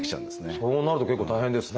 そうなると結構大変ですね。